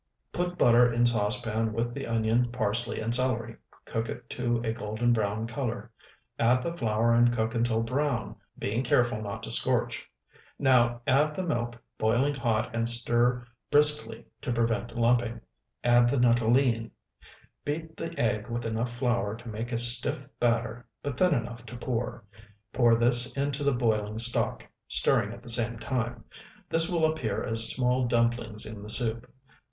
Put butter in saucepan with the onion, parsley, and celery; cook it to a golden brown color; add the flour and cook until brown, being careful not to scorch. Now add the milk boiling hot and stir briskly to prevent lumping. Add the nuttolene. Beat the egg with enough flour to make a stiff batter, but thin enough to pour; pour this into the boiling stock, stirring at the same time. This will appear as small dumplings in the soup.